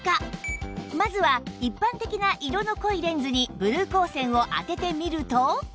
まずは一般的な色の濃いレンズにブルー光線を当ててみると